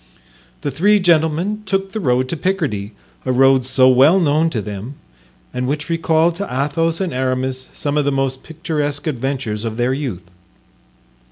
The three gentlemen took the road to Picardy, a road so well known to them and which recalled to Athos and Aramis some of the most picturesque adventures of their youth.